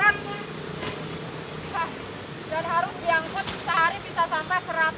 harus diangkut sehari bisa sampai seratus ban